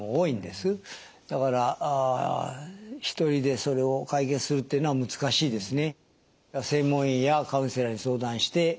だから一人でそれを解決するっていうのは難しいですね。